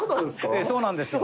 ええそうなんです。